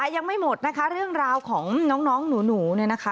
ยังไม่หมดนะคะเรื่องราวของน้องหนูเนี่ยนะคะ